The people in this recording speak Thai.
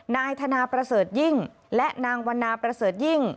นายถนาภเศรษฐ์ยิ่งและนางวณาภเศรษฐ์ยิ่ง